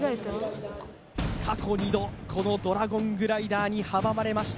過去２度このドラゴングライダーに阻まれました